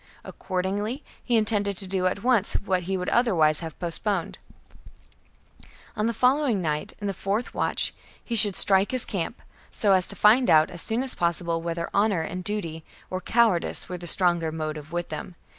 Accordingly he intended to do at once what he would otherwise have postponed : on the following night, in the fourth watch, he should strike his camp, so as to find out as soon as possible whether honour and duty or cowardice were the stronger motive with them.